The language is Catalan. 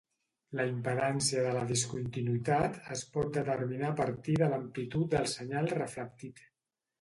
La impedància de la discontinuïtat es pot determinar a partir de l'amplitud del senyal reflectit.